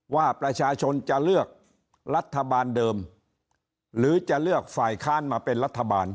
ว่าประชาชนจะเลือกรัฐบาลเดิมหรือจะเลือกฝ่ายค้านมาเป็นรัฐบาล